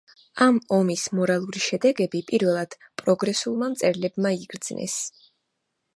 ამ ომის მორალური შედეგები პირველად პროგრესულმა მწერლებმა იგრძნეს.